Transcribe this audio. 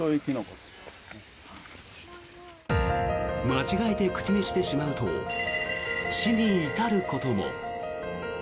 間違えて口にしてしまうと死に至ることも。